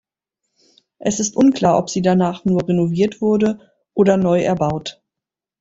Es ist unklar ob sie danach nur renoviert wurde oder neu erbaut.